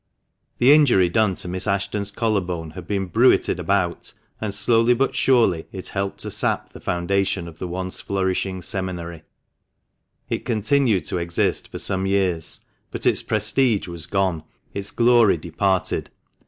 The injury done to Miss Ashton's collar bone had been bruited about, and slowly but surely it helped to sap the foundation of the once flourishing seminary, It continued to exist for some years, but its prestige was gone, its glory departed.